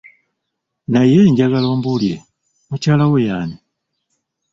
Naye njagala ombuulire, mukyala wo y'ani?